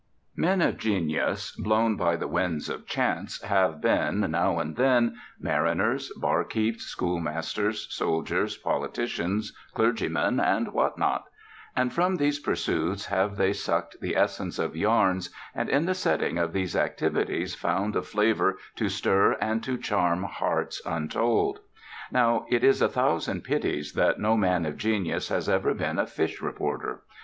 Men of genius, blown by the winds of chance, have been, now and then, mariners, bar keeps, schoolmasters, soldiers, politicians, clergymen, and what not. And from these pursuits have they sucked the essence of yarns and in the setting of these activities found a flavor to stir and to charm hearts untold. Now, it is a thousand pities that no man of genius has ever been a fish reporter.